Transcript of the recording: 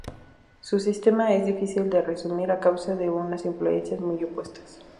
Su sistema es difícil de resumir a causa de unas influencias muy opuestas.